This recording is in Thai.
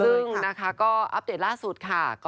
ซึ่งนะคะก็อัปเดตล่าสุดค่ะ